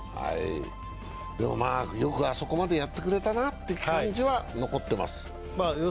よくあそこまでやったくれたなという感じは残ってます。